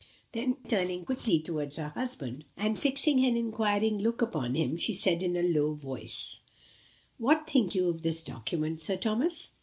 Then turning quickly towards her husband, and fixing an inquiring look upon him, she said in a low voice "What think you of this document, Sir Thomas?"